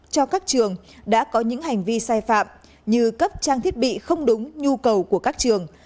cho các trường đã có những hành vi sai phạm như cấp trang thiết bị không đúng nhu cầu của các trường